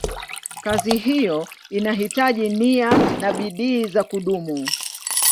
Kazi hiyo inahitaji nia na bidii za kudumu.